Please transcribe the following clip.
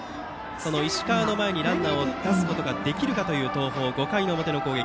その石川の前にランナーを出すことができるかという東邦、５回の表の攻撃。